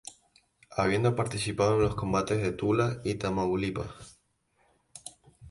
Habiendo participado en los combates de Tula y Tamaulipas.